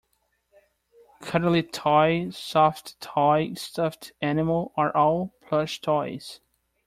Cuddly toy, soft toy, stuffed animal are all plush toys